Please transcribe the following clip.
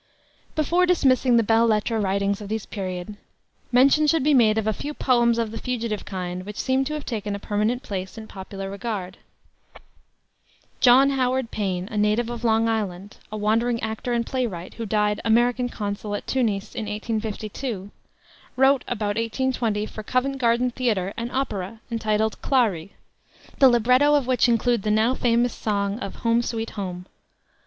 Before dismissing the belles lettres writings of this period, mention should be made of a few poems of the fugitive kind which seem to have taken a permanent place in popular regard. John Howard Payne, a native of Long Island, a wandering actor and playwright, who died American Consul at Tunis in 1852, wrote about 1820 for Covent Garden Theater an opera, entitled Clari, the libretto of which included the now famous song of Home, Sweet Home.